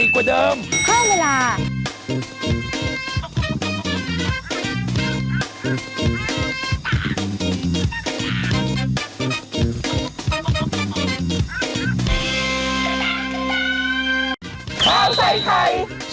เข้าใส่ใคร